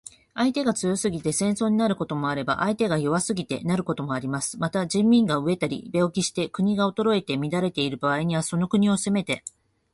相手が強すぎて戦争になることもあれば、相手が弱すぎてなることもあります。また、人民が餓えたり病気して国が衰えて乱れている場合には、その国を攻めて